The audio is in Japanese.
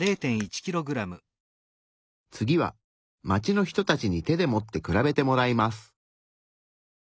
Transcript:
次は街の人たちに手で持って比べてもらいます。